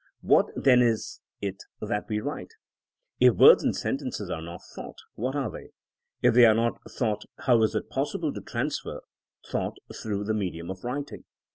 What then is it that we write! If words and sentences are not thought, what are they f If they are not thought how is it possible to transfer thought through the medium of writing?